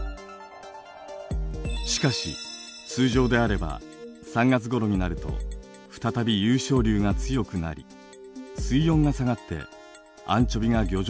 しかし通常であれば３月ごろになると再び湧昇流が強くなり水温が下がってアンチョビが漁場に戻ってきます。